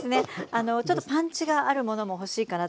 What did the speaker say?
あのちょっとパンチがあるものも欲しいかなと思います。